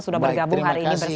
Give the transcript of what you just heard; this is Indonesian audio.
sudah bergabung hari ini bersama